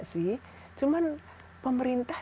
sih cuman pemerintah